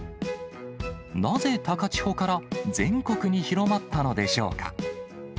なぜ高千穂から全国に広まったのでしょうか。